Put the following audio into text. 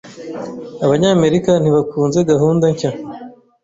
Abanyamerika ntibakunze gahunda nshya.